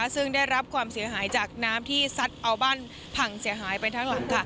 ซึ่งได้รับความเสียหายจากน้ำที่ซัดเอาบ้านพังเสียหายไปทั้งหลัง